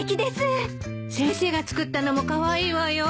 先生が作ったのもカワイイわよ。